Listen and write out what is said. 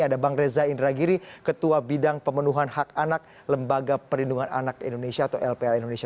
ada bang reza indragiri ketua bidang pemenuhan hak anak lembaga perlindungan anak indonesia atau lpa indonesia